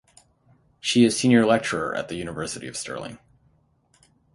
She is Senior Lecturer at the University of Stirling.